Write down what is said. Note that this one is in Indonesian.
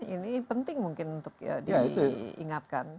ini penting mungkin untuk diingatkan